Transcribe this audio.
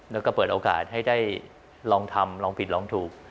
แล้วก็เปิดโอกาสให้ได้ลองทำลองผิดลองถูก